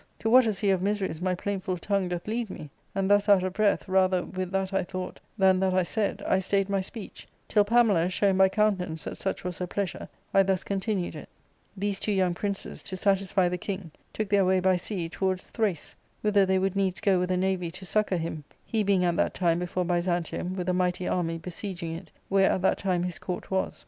to what a sea of miseries my plaintful tongue doth lead me ?— ^And thus out of breath, rather with that I thought than that I said, I stayed my speech, till Pamela showing by countenance that such was her pleasure, 1 thus continued it :These two young princes, to satisfy the king, took their way by sea, towards Thrace, whither they would needs go with a navy to succour him, he being at that time before Byzantium with a mighty army besieging it, where at that time his court was.